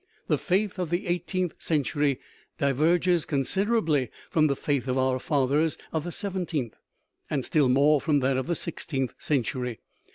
The faith of the eigh teenth century diverges considerably from the "faith of our fathers" of the seventeenth, and still more from that of the sixteenth, century.